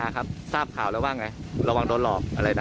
ใช่ค่ะบอกกลัวระวังโดนหลอกนะกลัวเป็นอิงคอสเตอร์โทรมาโดนหลอกอะไรประมาณนี้ครับ